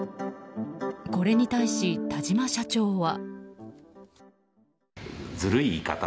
これに対し、田嶌社長は。